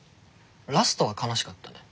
ラストは悲しかったね。